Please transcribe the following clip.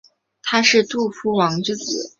他是杜夫王之子。